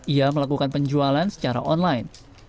ia melakukan penjualan secara online